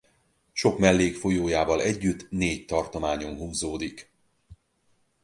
Sok mellékfolyójával együtt négy tartományon húzódik.